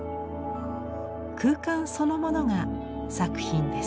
空間そのものが作品です。